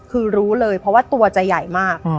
คือรู้เลยเพราะว่าตัวจะใหญ่มาก